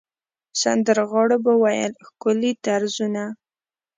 سندرغاړو به ویل ښکلي طرزونه.